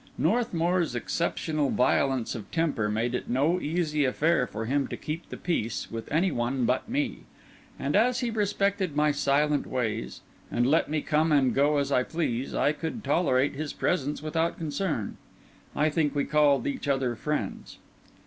Northmour's exceptional violence of temper made it no easy affair for him to keep the peace with any one but me; and as he respected my silent ways, and let me come and go as I pleased, I could tolerate his presence without concern. I think we called each other friends.